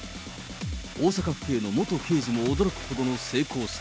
大阪府警の元刑事も驚くほどの精巧さ。